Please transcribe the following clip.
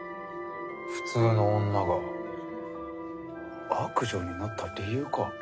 普通の女が悪女になった理由か。